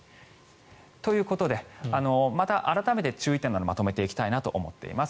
ということでまた改めて注意点などまとめていきたいなと思っています。